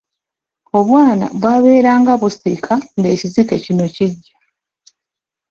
Obwana bwabeeranga busiika ng’ekizike kino kijja.